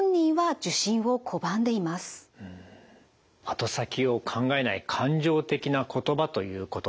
後先を考えない感情的な言葉ということでした。